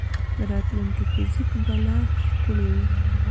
د راتلونکي فزیک به لا ښکلی وي.